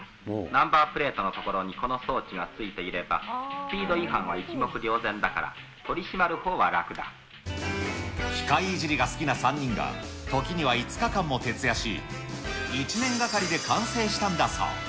ナンバープレートの所にこの装置が付いていれば、スピード違反は一目瞭然だから、機械いじりが好きな３人が、時には５日間も徹夜し、１年がかりで完成したんだそう。